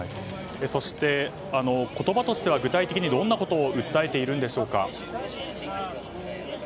そして、言葉としては具体的にどんなことを訴えているんでしょうか。